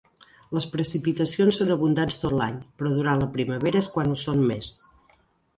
Les precipitacions són abundants tot l'any, però durant la primavera és quan ho són més.